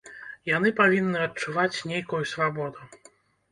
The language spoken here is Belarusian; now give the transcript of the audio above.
Яны павінны адчуваць нейкую свабоду.